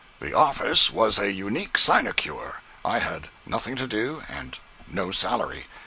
The office was an unique sinecure. I had nothing to do and no salary.